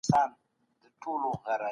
د ښوونځیو د سوراګانو رول ډېر اغېزمن نه و.